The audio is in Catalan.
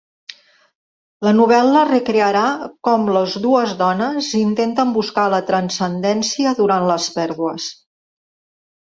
La novel·la recrearà com les dues dones intenten buscar la transcendència durant les pèrdues.